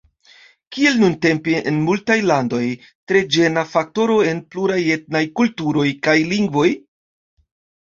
Kiel nuntempe en multaj landoj: tre ĝena faktoro en pluraj etnaj kulturoj kaj lingvoj?